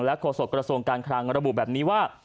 โฆษกระทรวงการคลังระบุแบบนี้ว่า